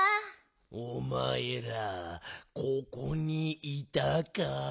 ・おまえらここにいたか。